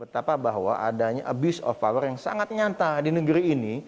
betapa bahwa adanya abuse of power yang sangat nyata di negeri ini